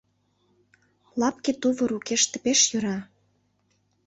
Лапке тувыр укеште пеш йӧра.